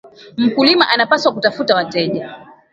Mkulima anapaswa kutafuta wateja